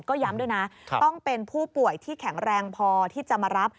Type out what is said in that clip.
ก็ย้ำด้วยนะต้องเป็นผู้ป่วยที่แข็งแรงพอที่จะมารับ